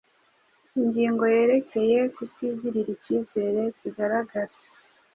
Ingingo yerekeye kutigirira icyizere kigaragara